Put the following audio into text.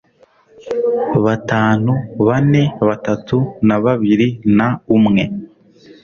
Batanu bane batatu na babiri na umwe